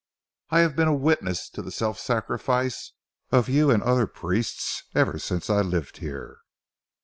I have been a witness to the self sacrifice of you and other priests ever since I lived here.